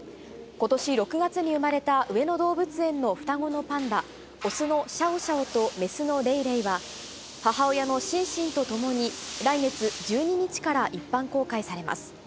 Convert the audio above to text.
ことし６月に産まれた上野動物園の双子のパンダ、雄のシャオシャオと雌のレイレイは、母親のシンシンと共に、来月１２日から一般公開されます。